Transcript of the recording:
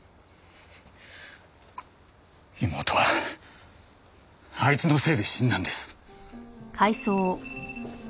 妹はあいつのせいで死んだんです。